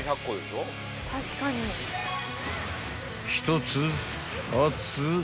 ［１つ２つ］